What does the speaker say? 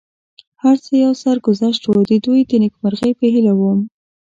هر څه یو سرګذشت و، د دوی د نېکمرغۍ په هیله ووم.